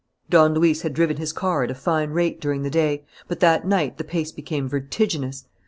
Don Luis had driven his car at a fine rate during the day; but that night the pace became vertiginous.